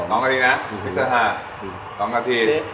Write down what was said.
๒นาทีนะวิธีการต้มเส้นกัน๒นาที